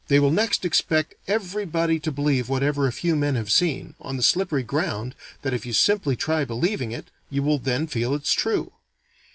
They will next expect everybody to believe whatever a few men have seen, on the slippery ground that if you simply try believing it, you will then feel it's true.